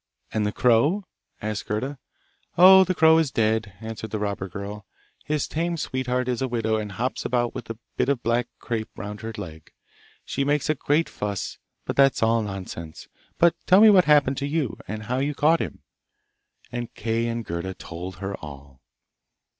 'And the crow?' asked Gerda. 'Oh, the crow is dead!' answered the robber girl. 'His tame sweetheart is a widow and hops about with a bit of black crape round her leg. She makes a great fuss, but that's all nonsense. But tell me what happened to you, and how you caught him.' And Kay and Gerda told her all.